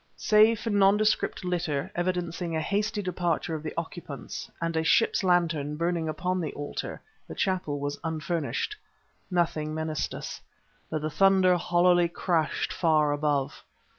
Save for nondescript litter, evidencing a hasty departure of the occupants, and a ship's lantern burning upon the altar, the chapel was unfurnished. Nothing menaced us, but the thunder hollowly crashed far above.